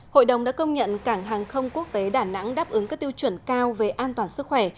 hội đồng đã công nhận cảng hàng không quốc tế đà nẵng đáp ứng các tiêu chuẩn cao về an toàn sức khỏe